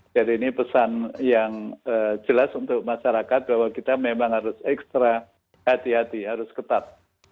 jadi ini pesan yang jelas untuk masyarakat bahwa kita memang harus extra hati hati harus ketat